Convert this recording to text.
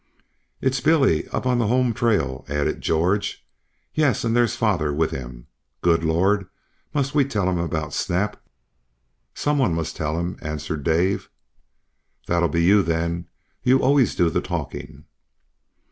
"It's Billy, up on the home trail," added George. "Yes, and there's father with him. Good Lord, must we tell him about Snap?" "Some one must tell him," answered Dave. "That'll be you, then. You always do the talking."